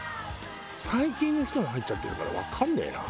最近の人が入っちゃってるからわかんねえな。